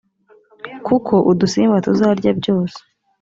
kuko udusimba tuzarya byose.